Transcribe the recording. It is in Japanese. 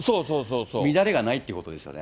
乱れがないってことですよね。